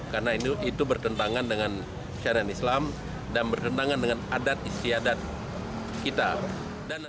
karena itu bertentangan dengan syariat islam dan bertentangan dengan adat istiadat kita